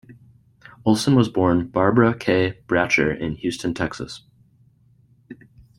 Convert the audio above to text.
Olson was born Barbara Kay Bracher in Houston, Texas.